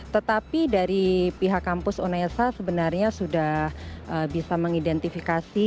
tetapi dari pihak kampus unesa sebenarnya sudah bisa mengidentifikasi